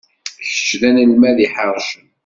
Kečč d anelmad iḥercen.